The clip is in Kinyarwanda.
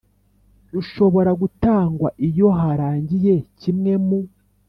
rushobora gutangwa iyo harangiye kimwe mu